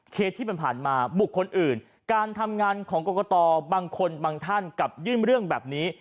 ที่ผ่านมาบุคคลอื่นการทำงานของกรกตบางคนบางท่านกลับยื่นเรื่องแบบนี้